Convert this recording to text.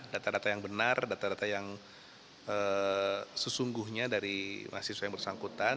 data data yang benar data data yang sesungguhnya dari mahasiswa yang bersangkutan